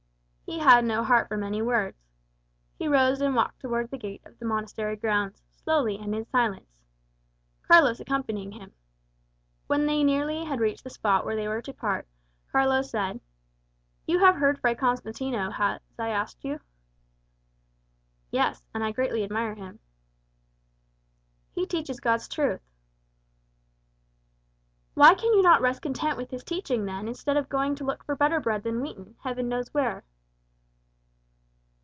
He had no heart for many words. He rose and walked towards the gate of the monastery grounds, slowly and in silence, Carlos accompanying him. When they had nearly reached the spot where they were to part, Carlos said, "You have heard Fray Constantino, as I asked you?" "Yes, and I greatly admire him." "He teaches God's truth." "Why can you not rest content with his teaching, then, instead of going to look for better bread than wheaten, Heaven knows where?"